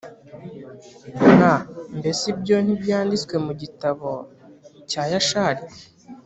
N mbese ibyo ntibyanditswe mu gitabo cya yashari